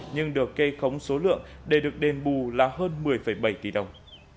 nhưng được kê khống số lượng để được đền bù là hơn một mươi bảy tỷ đồng